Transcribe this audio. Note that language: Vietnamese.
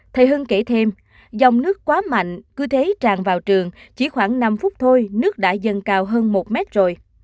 thầy hơn kể thêm dòng nước quá mạnh cứ thế tràn vào trường chỉ khoảng năm phút thôi nước đã dâng cao hơn một mét rồi